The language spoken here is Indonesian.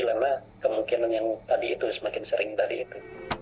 karena kemungkinan yang tadi itu semakin sering tadi itu